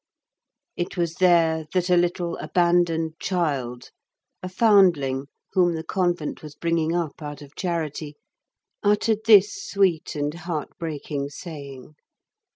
It was there that a little abandoned child, a foundling whom the convent was bringing up out of charity, uttered this sweet and heart breaking saying.